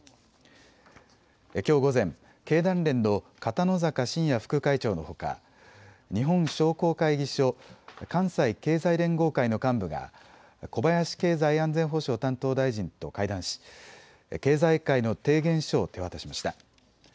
きょう午前、経団連の片野坂真哉副会長のほか日本商工会議所関西経済連合会の幹部が小林経済安全保障担当大臣と会談し経済界の提言書を手渡しました。